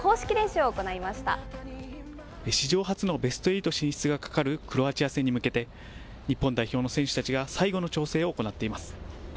ーしじょうはつのベストエイト進出がかかるクロアチア戦に向けて、日本代表の選手たちが、最後の調整を行っています。